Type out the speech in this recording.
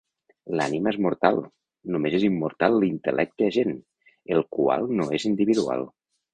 L'Ànima és mortal, només és immortal l'Intel·lecte Agent, el qual no és individual.